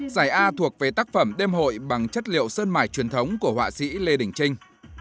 giải a thuộc về tác phẩm đêm hội bằng chất liệu sơn mải truyền thống của họa sĩ lê đình trinh